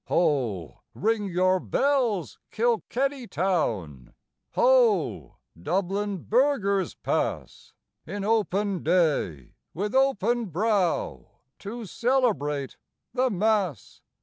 Ho! ring your bells, Kilkenny town; ho! Dublin burghers pass In open day, with open brow, to celebrate the Mass.